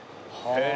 へえ！